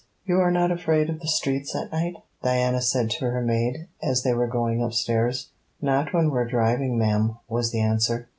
'You are not afraid of the streets at night?' Diana said to her maid, as they were going upstairs. 'Not when we're driving, ma'am,' was the answer.